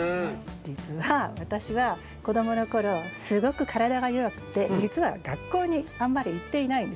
実は私は子供の頃すごく体が弱くて実は学校にあんまり行っていないんですよ。